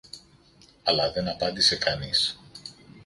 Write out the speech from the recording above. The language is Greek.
αλλά δεν απάντησε κανείς